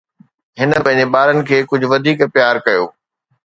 هن پنهنجي ٻارن کي ڪجهه وڌيڪ پيار ڪيو